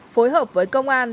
năm phối hợp với công an